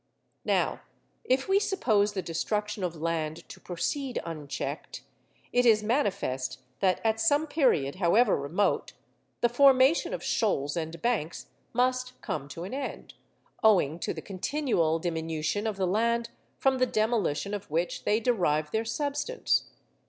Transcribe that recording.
Now, if we suppose the destruction of land to proceed unchecked, it is manifest that at some period, however remote, the formation of shoals and banks must come to an end, owing to the continual diminution of the land from the demolition of which they derive their substance.